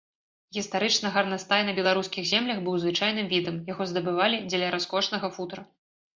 Гістарычна гарнастай на беларускіх землях быў звычайным відам, яго здабывалі дзеля раскошнага футра.